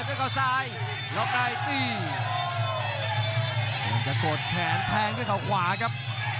มันจะกดแขนแทงด้วยเขาขวาครับ